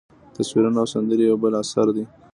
تصویرونه او سندرې یو بل اثر دی.